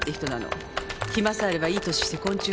暇さえあればいい年して昆虫採集。